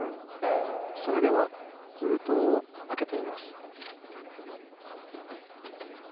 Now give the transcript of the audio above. それではふうとうをあけてみます。